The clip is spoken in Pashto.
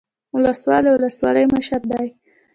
ولسوال د ولسوالۍ مشر دی